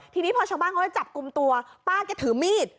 ทีนี้พอชาวบ้านเขาจะจับกลุ่มตัวป้าแกถือมีด